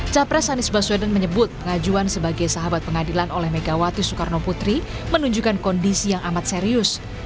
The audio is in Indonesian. capres anies baswedan menyebut pengajuan sebagai sahabat pengadilan oleh megawati soekarno putri menunjukkan kondisi yang amat serius